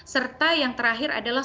serta yang terakhir adalah